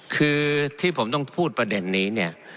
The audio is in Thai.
คือที่ผมต้องพูดประเด็นนี้เนี่ย